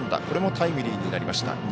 これもタイムリーになりました。